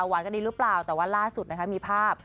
หวานกันดีรึเปล่าแต่ว่าล่าสุดมีภาพ